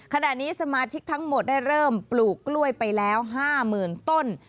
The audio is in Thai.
ขณะนี้สมาชิกทั้งหมดได้เริ่มปลูกกล้วยไปแล้ว๕๐๐๐ต้น